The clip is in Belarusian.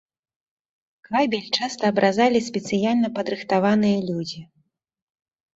Кабель часта абразалі спецыяльна падрыхтаваныя людзі.